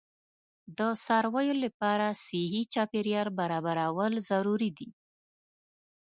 د څارویو لپاره صحي چاپیریال برابرول ضروري دي.